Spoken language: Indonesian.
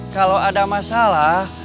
kalau ada masalah